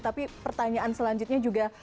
tapi pertanyaan selanjutnya juga